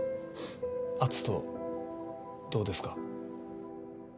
篤斗どうですか？